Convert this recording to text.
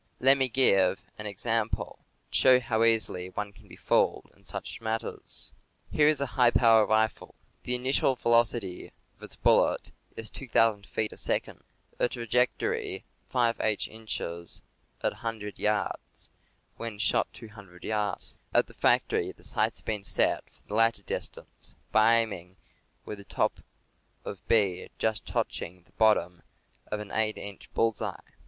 Let me give an ex ample, to show how easily one can be fooled in such matters : Here is a high power rifle. The initial velocity of its bullet is 2,000 feet a second ; trajectory 5h inches at 100 yards, when shot 200 yards. At the factory the sights have been set for the latter distance, by aiming with top of bead just touching bottom of an eight inch bull's eye.